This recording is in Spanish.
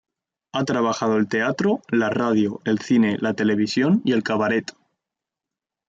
Ha trabajado el teatro, la radio, el cine, la televisión y el cabaret.